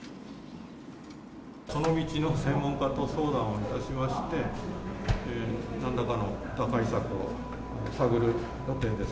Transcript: この道の専門家と相談をいたしまして、なんらかの打開策を探る予定です。